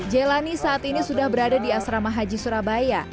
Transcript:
jelani saat ini sudah berada di asrama haji surabaya